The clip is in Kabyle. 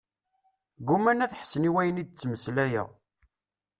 Gguman ad ḥessen i wayen i d-ttmeslayeɣ.